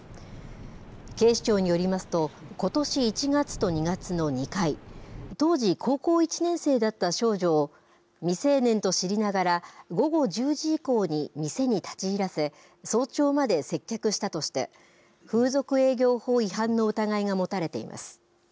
警視庁によりますと、ことし１月と２月の２回、当時、高校１年生だった少女を、未成年と知りながら、午後１０時以降に店に立ち入らせ、早朝まで接客したとして、風俗営業法違反の疑いが持たれています。